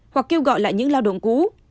hoặc kêu gọi lại những lao động cũ